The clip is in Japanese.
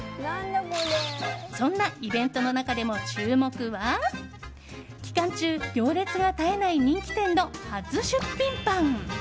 そんなイベントの中でも注目は期間中、行列が絶えない人気店の初出品パン。